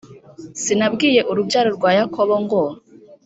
sinabwiye urubyaro rwa yakobo ngo